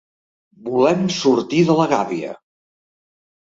Volem sortir de la gàbia.